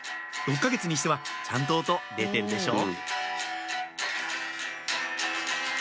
６か月にしてはちゃんと音出てるでしょ？